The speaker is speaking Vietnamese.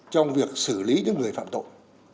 trong việc xử lý những người phạm tội